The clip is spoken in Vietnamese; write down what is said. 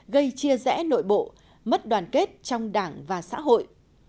gây chia rẽ nội bộ mất đoàn kết trong đảng và xã hội